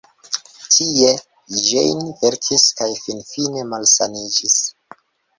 Tie Jane verkis kaj finfine malsaniĝis.